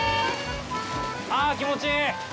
あぁ、気持ちいい！